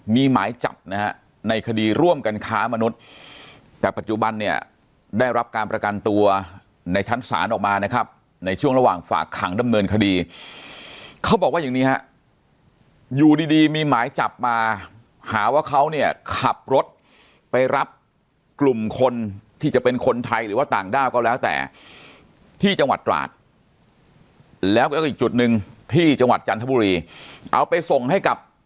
มีหมายจับนะฮะในคดีร่วมกันค้ามนุษย์แต่ปัจจุบันเนี่ยได้รับการประกันตัวในชั้นศาลออกมานะครับในช่วงระหว่างฝากขังดำเนินคดีเขาบอกว่าอย่างนี้ฮะอยู่ดีดีมีหมายจับมาหาว่าเขาเนี่ยขับรถไปรับกลุ่มคนที่จะเป็นคนไทยหรือว่าต่างด้าวก็แล้วแต่ที่จังหวัดตราดแล้วก็อีกจุดหนึ่งที่จังหวัดจันทบุรีเอาไปส่งให้กับ